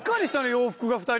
洋服が２人。